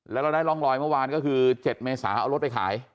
แล้วเราได้ร่องรอยเมื่อวานก็คือ๗เมษาเอารถไปขาย